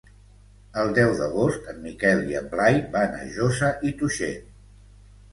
El deu d'agost en Miquel i en Blai van a Josa i Tuixén.